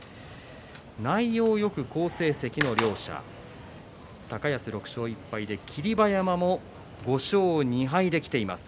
内容よく好成績の両者高安は６勝１敗、霧馬山も５勝２敗できています。